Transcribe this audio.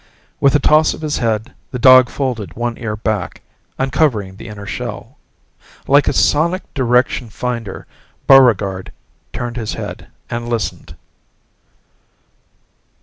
With a toss of his head, the dog folded one ear back, uncovering the inner shell. Like a sonic direction finder, Buregarde turned his head and listened.